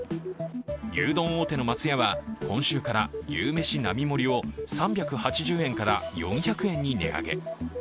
牛丼大手の松屋は今週から牛めし並盛を３８０円から４００円に値上げ。